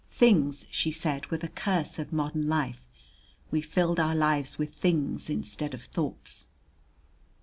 Things, she said, were the curse of modern life; we filled our lives with things instead of thoughts.